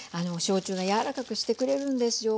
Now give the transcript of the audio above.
焼酎が柔らかくしてくれるんですよ。